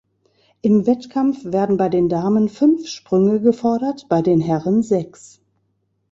Im Wettkampf werden bei den Damen fünf Sprünge gefordert, bei den Herren sechs.